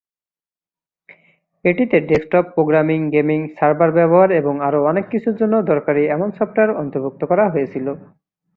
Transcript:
এটিতে desktop, programming, gaming, server ব্যবহার এবং আরও অনেক কিছুর জন্য দরকারী এমন সফটওয়্যার অন্তর্ভুক্ত করা হয়েছিল।